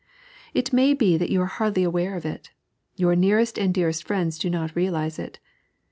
It may be that you are hardly aware of it ; your nearest and dearest friends do not realize it.